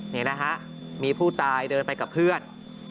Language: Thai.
นี่นะฮะมีผู้ตายเดินไปกับเพื่อน